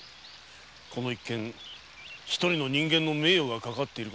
この件には一人の人間の名誉が懸かっている。